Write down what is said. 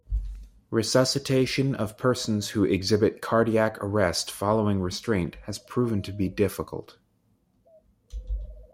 Resuscitation of persons who exhibit cardiac arrest following restraint has proven to be difficult.